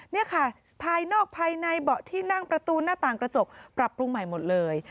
นี่ค่ะภายนอกภายในเบาะที่นั่งประตูหน้าต่างกระจกปรับปรุงใหม่หมดเลย